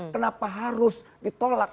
kenapa harus ditolak